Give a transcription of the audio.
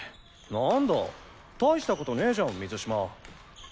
なんだたいしたことねえじゃん水嶋。